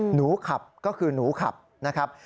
หนูขับก็คือหนูขับนะครับ